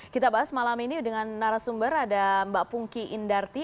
kita bahas malam ini dengan narasumber ada mbak pungki indarti